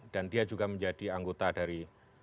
dan dia juga menjadi anggota dari